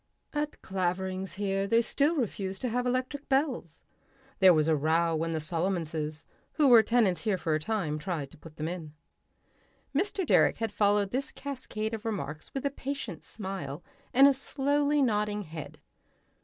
At Claverings here they still refuse to have electric bells. There was a row when the Solomonsons, who were tenants here for a time, tried to put them in...." Mr. Direck had followed this cascade of remarks with a patient smile and a slowly nodding head.